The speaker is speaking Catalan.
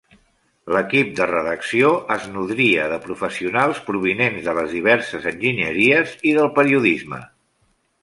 L'equip de redacció es nodria de professionals provinents de les diverses enginyeries i del periodisme.